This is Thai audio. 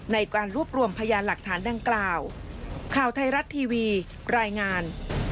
ในการรวบรวมพยานหลักฐานดังกล่าวข่าวไทยรัฐทีวีรายงาน